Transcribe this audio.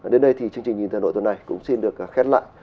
đến đây thì chương trình nhìn tài nội tuần này cũng xin được khét lại